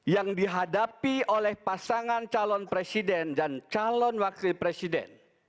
yang dihadapi oleh pasangan calon presiden dan calon wakil presiden